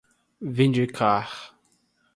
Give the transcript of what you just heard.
vindicar